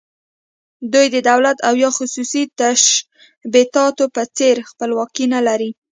دوی د دولت او یا خصوصي تشبثاتو په څېر خپلواکي نه لري.